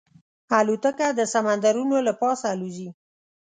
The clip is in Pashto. الوتکه د سمندرونو له پاسه الوزي.